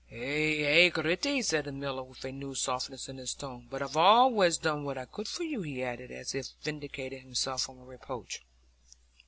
"Ay, ay, Gritty," said the miller, with a new softness in his tone; "but I've allays done what I could for you," he added, as if vindicating himself from a reproach.